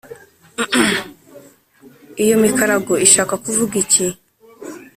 iyo mikarago ishaka kuvuga iki’